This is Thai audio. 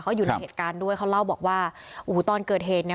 เขาอยู่ในเหตุการณ์ด้วยเขาเล่าบอกว่าโอ้โหตอนเกิดเหตุเนี่ย